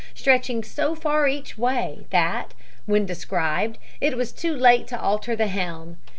} stretching so far each way that, when described, it was too late to alter the helm.